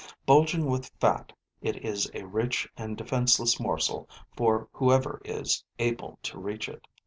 Bulging with fat, it is a rich and defenseless morsel for whoever is able to reach it.